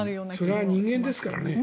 それは人間ですから。